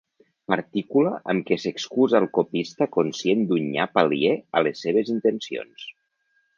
Partícula amb què s'excusa el copista conscient d'un nyap aliè a les seves intencions.